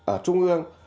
ở trung ương